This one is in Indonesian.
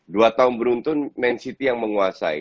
dua tahun beruntun man city yang menguasai